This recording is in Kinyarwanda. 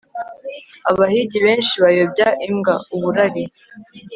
abahigi benshi bayobya imbwa (uburari)